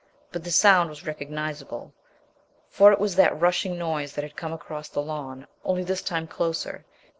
But the sound was recognizable, for it was that rushing noise that had come across the lawn; only this time closer.